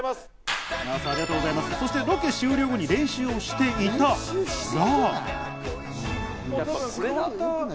そして、ロケ終了後に練習をしていたら。